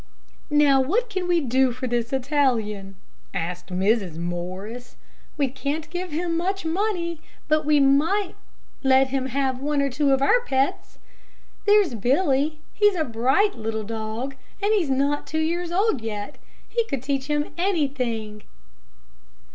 "Now, what can we do for this Italian?" asked Mrs. Morris. "We can't give him much money, but we might let him have one or two of our pets. There's Billy, he's a bright, little dog, and not two years old yet. He could teach him anything."